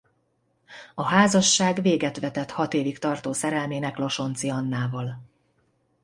A házasság véget vetett hat évig tartó szerelmének Losonczy Annával.